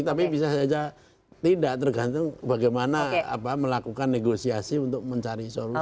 tapi bisa saja tidak tergantung bagaimana melakukan negosiasi untuk mencari solusi